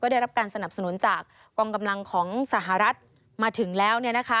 ได้รับการสนับสนุนจากกองกำลังของสหรัฐมาถึงแล้ว